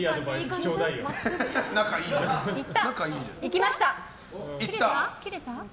いきました。